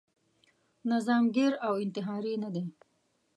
نظاميګر او انتحاري نه دی.